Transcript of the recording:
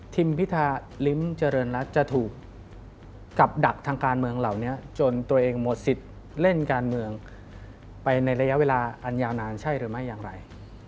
พิธาลิ้มเจริญรัฐจะถูกกับดักทางการเมืองเหล่านี้จนตัวเองหมดสิทธิ์เล่นการเมืองไปในระยะเวลาอันยาวนานใช่หรือไม่อย่างไร